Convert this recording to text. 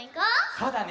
そうだね！